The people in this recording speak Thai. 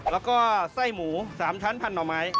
แล้วก็ไส้หมู๓ชั้นพันหน่อไม้